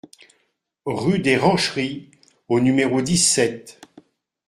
Rue des Rancheries au numéro dix-sept